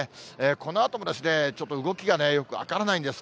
このあともですね、ちょっと動きがね、よく分からないんです。